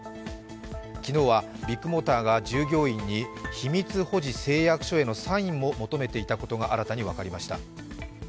昨日はビッグモーターが従業員に秘密保持の誓約書へサインを求めていたことが新たに分かりました。